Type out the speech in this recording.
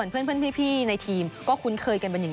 เท่าก็คุ้นเคลยกันอย่างดี